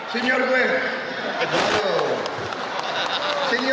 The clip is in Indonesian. junior gue banyak disini nih